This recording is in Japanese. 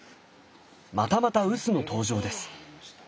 またまた臼の登場です。